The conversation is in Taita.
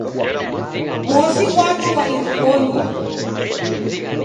Mosi ghwachua irikonyi